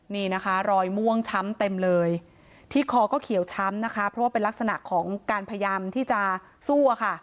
นี่นะคะรอยม่วงช้ำเต็มเลยที่คอก็เขียวช้ำนะคะเพราะว่าเป็นลักษณะของการพยายามที่จะสู้อะค่ะ